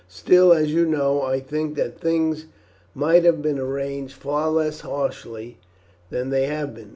Still, as you know, I think that things might have been arranged far less harshly than they have been.